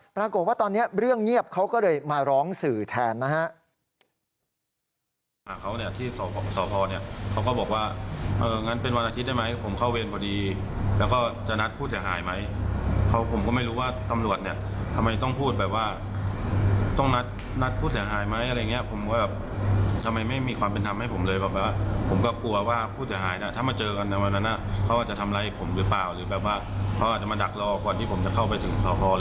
ปรากฏว่าตอนนี้เรื่องเงียบเขาก็เลยมาร้องสื่อแทนนะฮะ